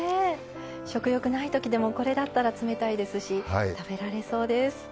食欲ない時でもこれだったら冷たいですし食べられそうです。